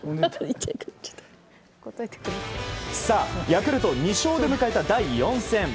ヤクルト２勝で迎えた第４戦。